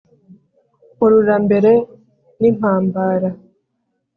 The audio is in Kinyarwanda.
mpurura mbere n’impambara